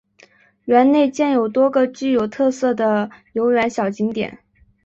园内建有多个具有特色的游园小景点。